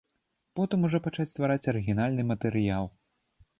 Потым ужо пачаць ствараць арыгінальны матэрыял.